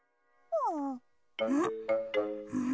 うん？